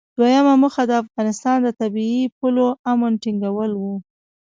دویمه موخه د افغانستان د طبیعي پولو امن ټینګول و.